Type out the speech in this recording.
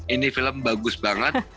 ini film bagus banget